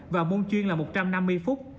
và môn chuyên là một trăm năm mươi phút